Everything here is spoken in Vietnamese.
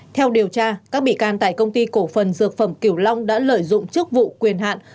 theo điều tra các bị can tại công ty cổ phần dược phẩm kiểu long đã lợi dụng chức vụ quyền hạn